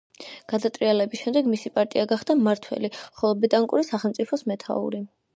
გადატრიალების შემდეგ მისი პარტია გახდა მმართველი, ხოლო ბეტანკური სახელმწიფოს მეთაური.